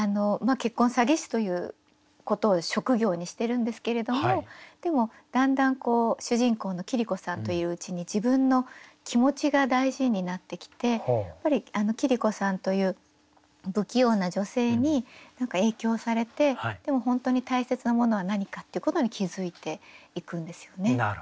結婚詐欺師ということを職業にしてるんですけれどもでもだんだん主人公の桐子さんといるうちに自分の気持ちが大事になってきてやっぱり桐子さんという不器用な女性に何か影響されてでも本当に大切なものは何かっていうことに気付いていくんですよね。